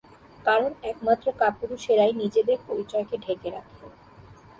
কারণ, একমাত্র কাপুরুষেরাই নিজেদের পরিচয়কে ঢেকে রাখে।